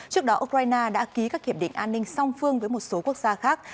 trước đó ukraine đã ký các hiệp định an ninh song phương với một số quốc gia khác